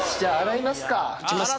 いきますか。